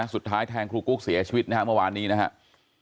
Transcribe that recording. สุดท้ายแทงครูกุ๊กเสียชีวิตเมื่อวานนี้นะครับ